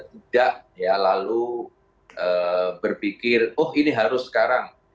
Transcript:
tidak ya lalu berpikir oh ini harus sekarang